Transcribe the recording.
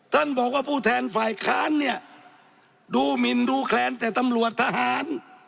ท่านบอกว่าผู้แทนฝ่ายค้านเนี่ยดูหมินดูแคลนแต่ตำรวจทหาร